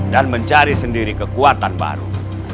dan mencari sendiri kekuatan baru